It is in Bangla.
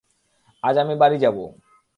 আজ আমি বাড়ি যাবো।